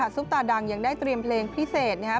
ซุปตาดังยังได้เตรียมเพลงพิเศษนะครับ